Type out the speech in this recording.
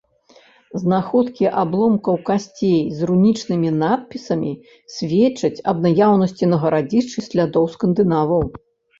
Знаходкі абломкаў касцей з рунічнымі надпісамі сведчаць аб наяўнасці на гарадзішчы слядоў скандынаваў.